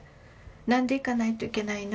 「なんで行かないといけないの？」